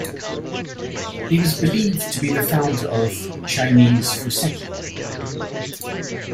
He was believed to be the founder of "Chinese fuseki".